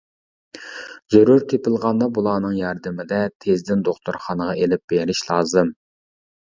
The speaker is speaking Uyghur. زۆرۈر تېپىلغاندا بۇلارنىڭ ياردىمىدە تېزدىن دوختۇرخانىغا ئېلىپ بېرىش لازىم.